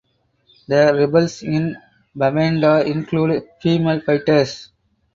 The rebels in Bamenda include female fighters.